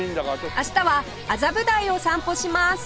明日は麻布台を散歩します